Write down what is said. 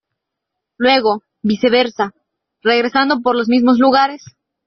Luego, viceversa, regresando por los mismos lugares.